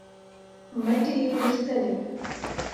مټې یې غښتلې